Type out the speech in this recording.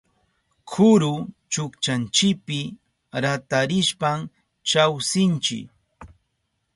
Kuru chukchanchipi ratarishpan chawsinchi.